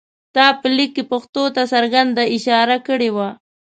تا په لیک کې پېښو ته څرګنده اشاره کړې وه.